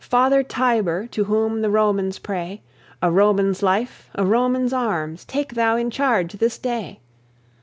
Father Tiber! To whom the Romans pray, A Roman's life, a Roman's arms, Take thou in charge this day!"